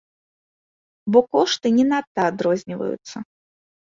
Бо кошты не надта адрозніваюцца.